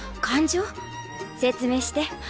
説明して。